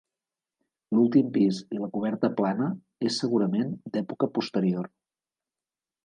L'últim pis i la coberta plana és segurament d'època posterior.